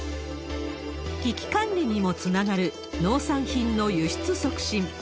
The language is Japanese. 危機管理にもつながる農産品の輸出促進。